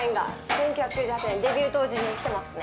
１９９８年デビュー当時に来てますね。